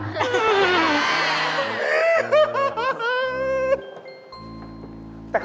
แต่ขอแฟนค่ะ